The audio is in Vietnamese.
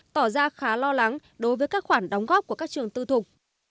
tỏ ra khá lo lắng đối với các khoản đóng góp của các trường tư thục